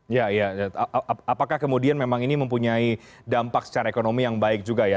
ya iya apakah kemudian memang ini mempunyai dampak secara ekonomi yang baik juga ya